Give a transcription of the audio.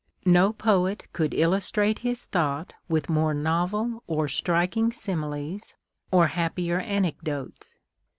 χϋί No poet could illustrate his thought with more novel or striking similes or hap[)ier anecdotes.